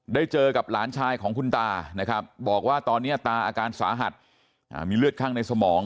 ได้เจอกับหลานชายของคุณตานะครับบอกว่าตอนนี้ตาอาการสาหัสมีเลือดข้างในสมอง